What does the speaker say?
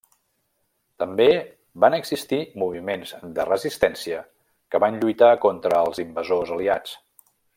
També van existir moviments de resistència que van lluitar contra els invasors aliats.